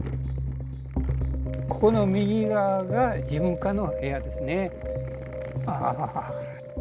ここの右側が事務課の部屋ですね。